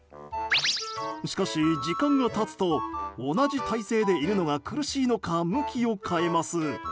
しかし、時間が経つと同じ体勢でいるのが苦しいのか向きを変えます。